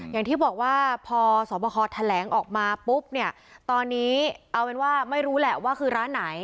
อย่างที่บอกว่าพอสอบคอแถลงออกมาปุ๊บเนี่ยตอนนี้เอาเป็นว่าไม่รู้แหละว่าคือร้านไหน